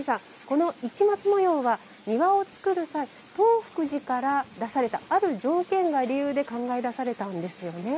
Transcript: この市松模様は庭をつくる際東福寺から出されたある条件が理由で考え出されたんですよね？